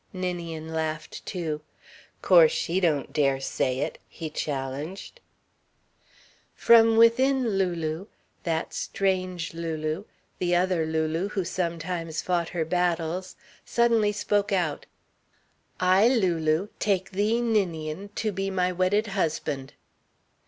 Ninian laughed too. "Course she don't dare say it," he challenged. From within Lulu, that strange Lulu, that other Lulu who sometimes fought her battles, suddenly spoke out: "I, Lulu, take thee, Ninian, to be my wedded husband."